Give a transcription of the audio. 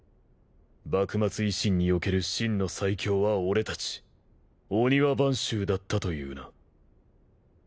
幕末維新における真の最強は俺たち御庭番衆だったというな。